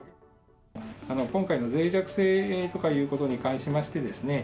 今回のぜい弱性ということに関しましてですね。